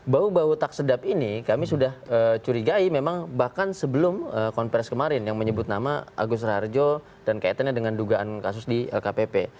bau bau tak sedap ini kami sudah curigai memang bahkan sebelum konferensi kemarin yang menyebut nama agus raharjo dan kaitannya dengan dugaan kasus di lkpp